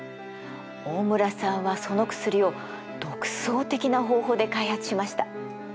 大村さんはその薬を独創的な方法で開発しました。